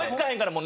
もう。